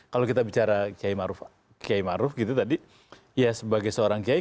kalau kita bicara kiai maruf tadi sebagai seorang kiai